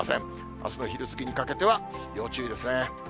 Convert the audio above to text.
あすの昼過ぎにかけては、要注意ですね。